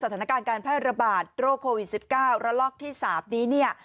สถานการณ์การแพร่ระบาดโรคโควิด๑๙ระลอกที่๓นี้เนี่ย